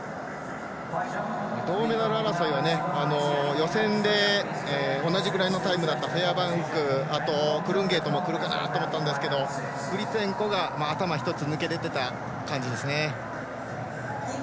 銅メダル争いは予選で、同じぐらいのタイムだったフェアバンク、クルンゲートもくるかなと思ったんですがグリツェンコが頭一つ抜き出てた感じですね。